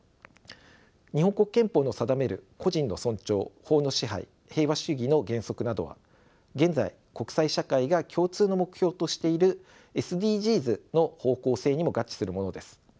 日本国憲法の定める個人の尊重法の支配平和主義の原則などは現在国際社会が共通の目標としているＳＤＧｓの方向性にも合致するものです。